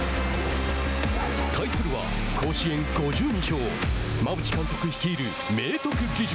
対するは甲子園５２勝馬淵監督率いる明徳義塾。